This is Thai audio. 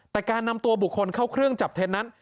แต่การนำตัวบุคคลเข้าเครื่องจับเท็จนั้น